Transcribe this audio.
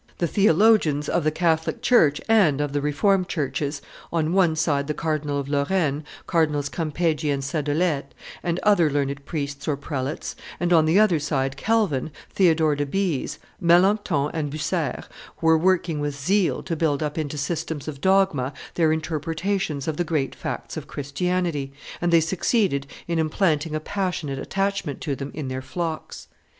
The theologians of the Catholic church and of the Reformed churches on one side the Cardinal of Lorraine, Cardinals Campeggi and Sadolet, and other learned priests or prelates, and on the other side Calvin, Theodore de Beze, Melancthon, and Bucer were working with zeal to build up into systems of dogma their interpretations of the great facts of Christianity, and they succeeded in implanting a passionate attachment to them in their flocks.